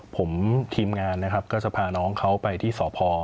ผมทีมงานนะครับก็จะพาน้องเขาไปที่สพ